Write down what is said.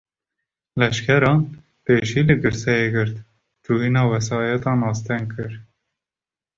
Leşkeran, pêşî li girseyê girt, çûyîna wesaîtan asteng kir